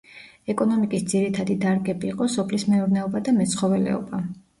ეკონომიკის ძირითადი დარგები იყო სოფლის მეურნეობა და მეცხოველეობა.